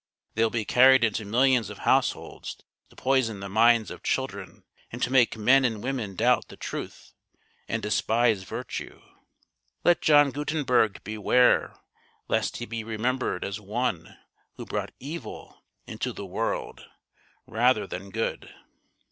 They will be carried into millions of households to poison the minds of children and to make men and women doubt the truth and despise virtue. Let John Gutenberg beware lest he be remembered as one who brought evil into the world rather than good."